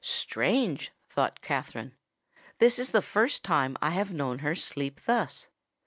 "Strange!" thought Katherine; "this is the first time I have known her sleep thus."